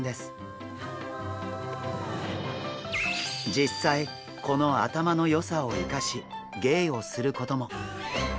実際この頭の良さを生かし芸をすることも！